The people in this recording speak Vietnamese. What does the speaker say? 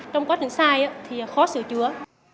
trong quá trình sai thì khó sửa chứa